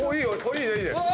いいねいいね。